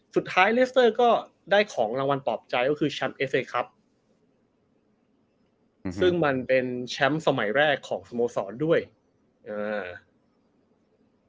สุดท้ายเลสเตอร์ก็ได้ของรางวัลปลอบใจก็คือแชมป์เอเซครับอืมซึ่งมันเป็นแชมป์สมัยแรกของสโมสรด้วยอ่า